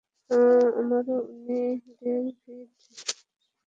আমারও উনি ডেভিড রিসিগ্লিয়ানি।